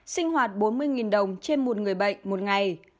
sinh hoạt bốn mươi đồng trên một người bệnh một ngày